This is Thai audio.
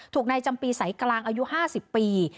ถูกในจำปีสายกลางอายุ๕๐ปี